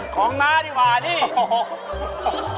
น้าดีกว่านี่โอ้โห